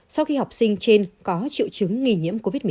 sau khi học sinh trên có triệu chứng nghi nhiễm covid một mươi chín